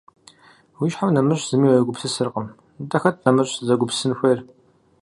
-Уи щхьэм нэмыщӏ зыми уегупсысыркъым. – Нтӏэ хэт нэмыщӏ сызэгупсысын хуейр?